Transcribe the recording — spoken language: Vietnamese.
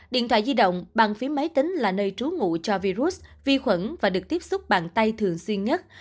điện thoại di động bằng phím máy tính là nơi trú ngủ cho virus vi khuẩn và được tiếp xúc bằng tay thường xuyên nhất